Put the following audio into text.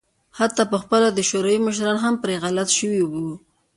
حتی په خپله د شوروي مشران هم پرې غلط شوي وو.